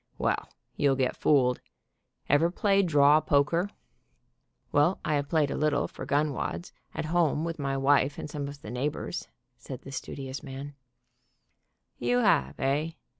Well, you'll get fooled. Ever play draw poker?" THE GUEST ON A COAL CARRIER 103 "Well, I have played it a little, for gun wads, at home, with my wife and some of the neighbors," said the studious man. "You have, eh?